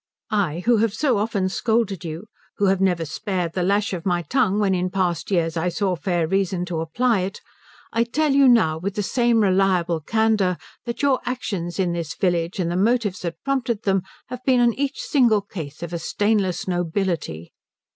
I, who have so often scolded you, who have never spared the lash of my tongue when in past years I saw fair reason to apply it, I tell you now with the same reliable candour that your actions in this village and the motives that prompted them have been in each single case of a stainless nobility."